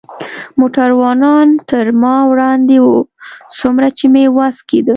موټروانان تر ما وړاندې و، څومره چې مې وس کېده.